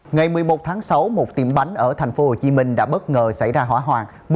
ngày một mươi một tháng sáu một tiệm bánh ở thành phố hồ chí minh đã bất ngờ xảy ra hỏa hoàng